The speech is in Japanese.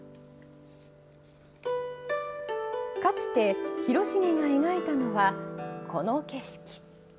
かつて広重が描いたのは、この景色。